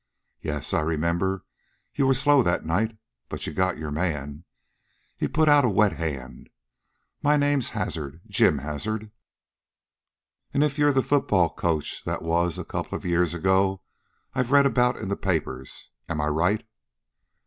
Yes, I remember, you were slow that night, but you got your man." He put out a wet hand. "My name's Hazard Jim Hazard." "An' if you're the football coach that was, a couple of years ago, I've read about you in the papers. Am I right?"